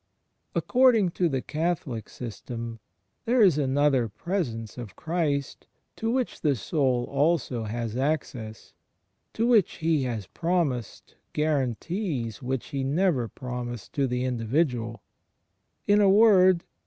According to the Catholic system there is another Presence of Christ, to which the soul also has access, to which He has promised guarantees which He never promised to the individual. In a word.